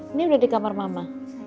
ini udah di kamar mama